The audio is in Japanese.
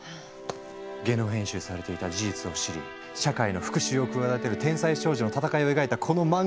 ゲノム編集されていた事実を知り社会への復しゅうを企てる天才少女の戦いを描いたこの漫画！